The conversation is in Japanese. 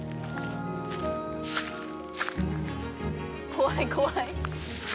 怖い怖い。